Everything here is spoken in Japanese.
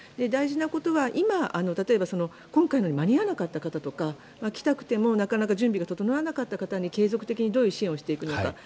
大事なことは今例えば、今回のように間に合わなかった方とか来たくてもなかなか準備が整わなかった方に継続的にどういう支援をしていくのか。